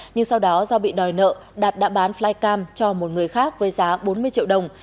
nhưng sau đó do bị đòi nợ đạt đã bán flycam cho một người khác với giá bốn mươi triệu đồng